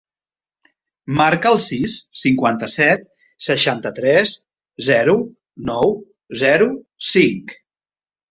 Marca el sis, cinquanta-set, seixanta-tres, zero, nou, zero, cinc.